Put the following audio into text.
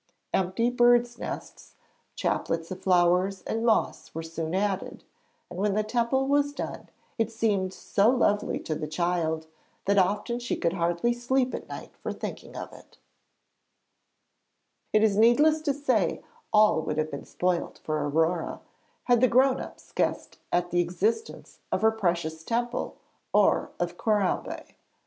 Empty birds' nests, chaplets of flowers and moss were soon added, and when the temple was done it seemed so lovely to the child that often she could hardly sleep at night for thinking of it. [Illustration: AURORE SETS FREE THE CAPTIVE BIRDS AT THE ALTAR OF CORAMBÉ.] It is needless to say all would have been spoilt for Aurore had the 'grown ups' guessed at the existence of her precious temple or of Corambé.